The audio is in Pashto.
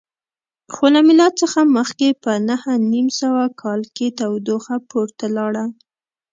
خو له میلاد څخه مخکې په نهه نیم سوه کال کې تودوخه پورته لاړه